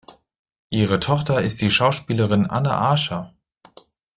Ihre Tochter ist die Schauspielerin Anne Archer.